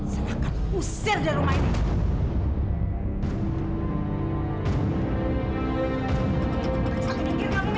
saya akan usir dari rumah ini